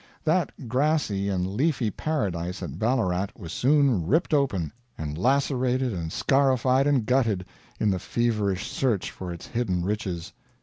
That grassy and leafy paradise at Ballarat was soon ripped open, and lacerated and scarified and gutted, in the feverish search for its hidden riches.